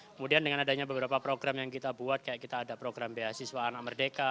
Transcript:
kemudian dengan adanya beberapa program yang kita buat kayak kita ada program beasiswa anak merdeka